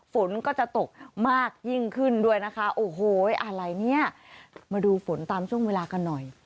ฝนก็จะตกมากยิ่งขึ้นด้วยนะคะโอ้โหอะไรเนี่ยมาดูฝนตามช่วงเวลากันหน่อย